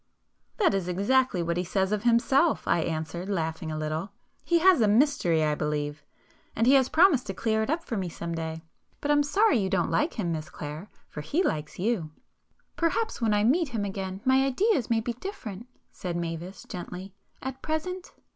"That is exactly what he says of himself,"—I answered, laughing a little—"He has a mystery I believe,—and he has promised to clear it up for me some day. But I'm sorry you don't like him, Miss Clare,—for he likes you." "Perhaps when I meet him again my ideas may be different"—said Mavis gently—"at present